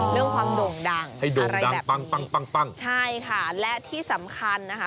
เรื่องความโด่งดังอะไรแบบนี้ใช่ค่ะและที่สำคัญนะคะ